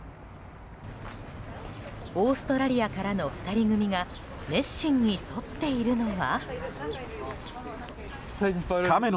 オーストラリアからの２人組が熱心に撮っているのは。